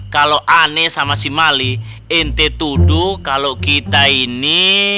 kalo aneh sama si mali ente tuduh kalo kita ini